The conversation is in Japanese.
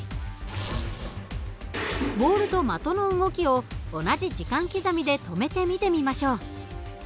ボールと的の動きを同じ時間刻みで止めて見てみましょう。